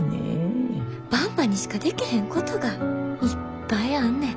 ばんばにしかでけへんことがいっぱいあんねん。